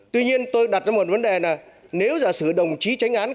tuy nhiên tôi đặt ra một vấn đề là nếu giả sử đồng chí tránh án